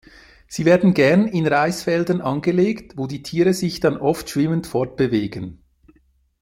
Sie werden gern in Reisfeldern angelegt, wo die Tiere sich dann oft schwimmend fortbewegen.